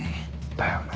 だよね。